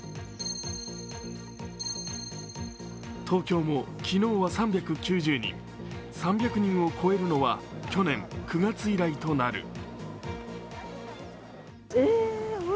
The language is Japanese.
東京も昨日は３９０人、３００人を超えるのは去年９月以来となる。